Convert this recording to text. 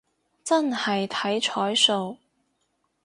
真係睇彩數